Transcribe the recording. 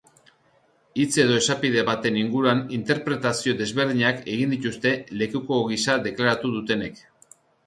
Hitz edo esapide baten inguruan interpretazio desberdinak egin dituzte lekuko gisa deklaratu dutenek.